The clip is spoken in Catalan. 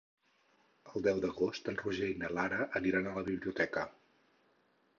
El deu d'agost en Roger i na Lara aniran a la biblioteca.